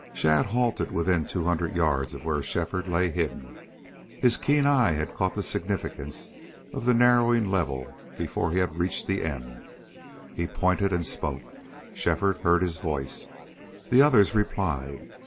Shadd halted within two hundred yards of where Shefford lay hidden. His keen eye had caught the significance of the narrowing level before he had reached the end. He pointed and spoke. Shefford heard his voice. The others replied.